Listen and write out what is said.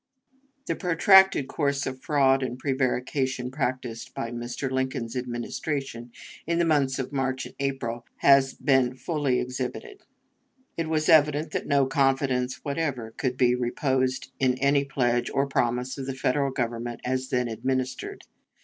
The protracted course of fraud and prevarication practiced by Mr. Lincoln's Administration in the months of March and April has been fully exhibited. It was evident that no confidence whatever could be reposed in any pledge or promise of the Federal Government as then administered.